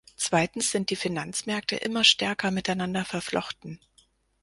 Zweitens sind die Finanzmärkte immer stärker miteinander verflochten.